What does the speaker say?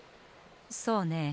そうねえ。